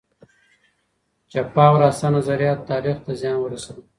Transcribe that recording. چپه او راسته نظریاتو تاریخ ته زیان ورساوه.